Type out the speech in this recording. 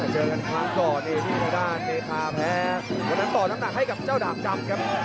เจอกันครั้งก่อนที่ทางด้านเมธาแพ้วันนั้นต่อน้ำหนักให้กับเจ้าดาบดำครับ